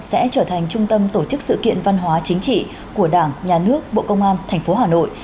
sẽ trở thành trung tâm tổ chức sự kiện văn hóa chính trị của đảng nhà nước bộ công an tp hà nội